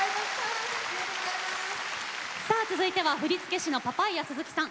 さあ続いては振付師のパパイヤ鈴木さん。